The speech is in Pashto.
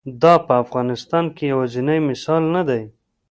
دا په افغانستان کې یوازینی مثال نه دی.